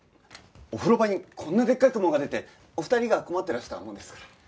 お風呂場にこんなでっかいクモが出てお二人が困ってらしたもんですから。